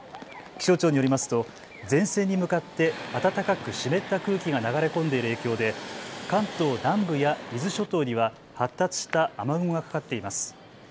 気象庁によりますと前線に向かって暖かく湿った空気が流れ込んでいる影響で関東南部や伊豆諸島には発達した雨雲がかかっています。